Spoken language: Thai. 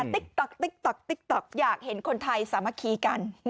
ติ๊กต๊อกติ๊กต๊อกติ๊กต๊อกอยากเห็นคนไทยสามัคคีกัน